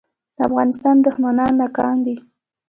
د افغانستان دښمنان ناکام دي